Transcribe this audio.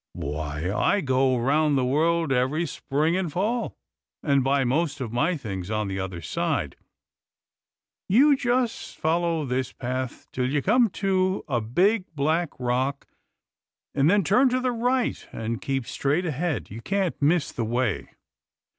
Why, I go round the world every spring and fall, and buy most of my things on the other side. You just follow this path till you come to a big black rock, and then turn to the right and keep straight ahead. You can't miss the way."